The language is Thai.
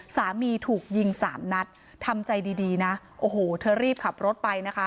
สามีถูกยิงสามนัดทำใจดีดีนะโอ้โหเธอรีบขับรถไปนะคะ